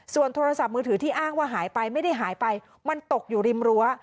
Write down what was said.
ส่วนโทรศัพท์มือถือที่อ้างว่าหายไปไม่ได้หายไปมันตกอยู่ริมรั้ว